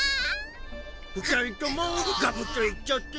ふたりともガブッといっちゃって。